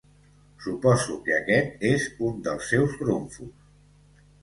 Suposo que aquest és un dels seus trumfos.